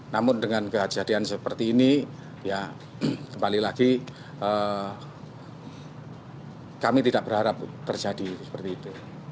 namun dengan kejadian seperti ini ya kembali lagi kami tidak berharap terjadi seperti itu